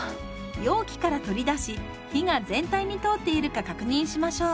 容器から取り出し火が全体に通っているか確認しましょう。